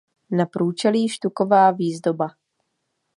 Na průčelí štuková výzdoba.